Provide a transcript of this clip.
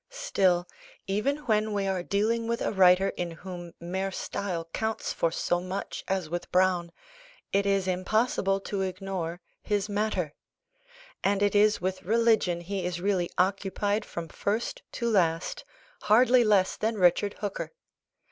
Still, even when we are dealing with a writer in whom mere style counts for so much as with Browne, it is impossible to ignore his matter; and it is with religion he is really occupied from first to last, hardly less than Richard Hooker.